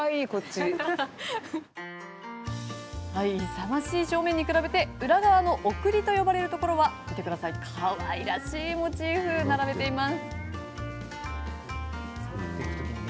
勇ましい正面に比べ裏側の送りと呼ばれるところにはかわいらしいモチーフを並べています。